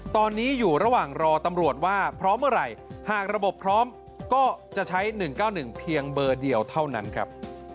ตอนนี้อยู่ระหว่างรอตำรวจว่าพร้อมเมื่อไหร่หากระบบพร้อมก็จะใช้๑๙๑เพียงเบอร์เดียวเท่านั้นครับ